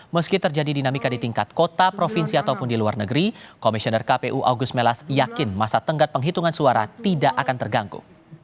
meski terjadi dinamika di tingkat kota provinsi ataupun di luar negeri komisioner kpu agus melas yakin masa tenggat penghitungan suara tidak akan terganggu